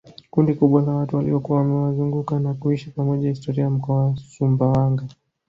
kundi kubwa la watu waliokuwa wamewazunguka na kuishi pamoja historia ya mkoa wa sumbawanga